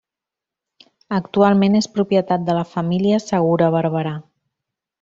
Actualment és propietat de la família Segura Barberà.